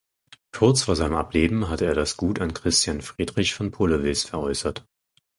Kurz vor seinem Ableben hatte er das Gut an Christian Friedrich von Podewils veräußert.